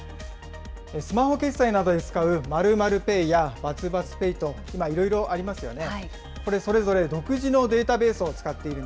スマホ決済などで使う、○○Ｐａｙや××Ｐａｙと今いろいろありますよね。